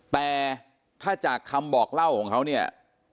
แต่ถ้าจากคำบอกเล่าของเขาเนี่ย